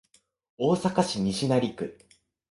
大阪市西成区